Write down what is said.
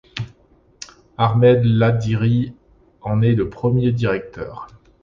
Ahmed Lahdhiri en est le premier directeur.